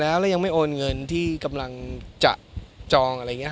เรายังต้องส่งประมาณประมาณ๑๐น